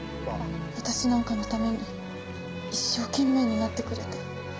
私なんかのために一生懸命になってくれて。